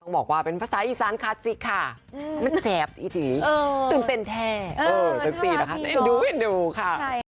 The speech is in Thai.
บอกว่าเป็นภาษาอีสานคาสิคค่ะมันแสบอีกทีตื่นเป็นแท้เออมันธรรมดีกว่าดูไม่ดูค่ะ